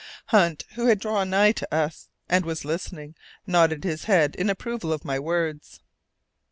Hunt, who had drawn nigh to us, and was listening, nodded his head in approval of my words.